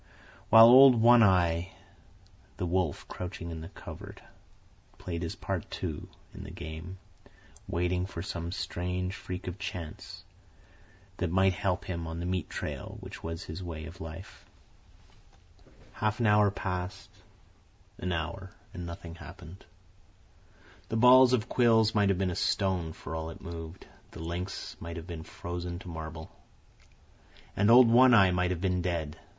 While old One Eye, the wolf crouching in the covert, played his part, too, in the game, waiting for some strange freak of Chance, that might help him on the meat trail which was his way of life. Half an hour passed, an hour; and nothing happened. The ball of quills might have been a stone for all it moved; the lynx might have been frozen to marble; and old One Eye might have been dead.